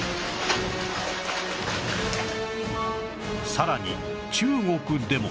さらに中国でも